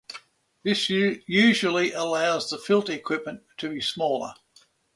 This usually allows the filter equipment to be smaller.